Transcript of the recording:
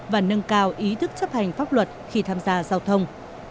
và nâng cao ý thức chấp hành pháp luật khi tham gia giao thông